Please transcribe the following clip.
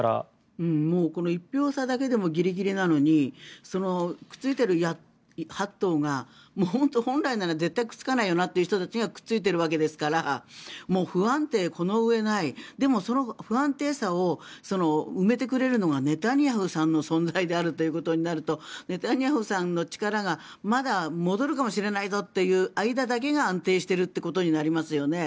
もうこの１票差だけでもギリギリなのにくっついている８党が本来なら絶対にくっつかないよなっていう人たちがくっついているわけですから不安定この上ないでも、その不安定さを埋めてくれるのがネタニヤフさんの存在ということになるとネタニヤフさんの力がまだ戻るかもしれないぞという間だけが安定しているということになりますよね。